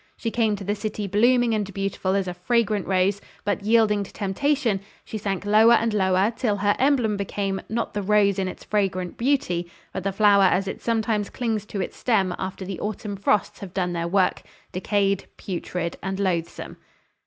She came to the city blooming and beautiful as a fragrant rose; but yielding to temptation, she sank lower and lower, till her emblem became, not the rose in its fragrant beauty, but the flower as it sometimes clings to its stem after the autumn frosts have done their work—decayed, putrid and loathsome.